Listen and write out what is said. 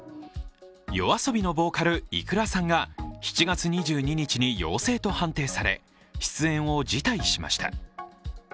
ＹＯＡＳＯＢＩのボーカル、ｉｋｕｒａさんが７月２２日に陽性と判定され出演を辞退しました。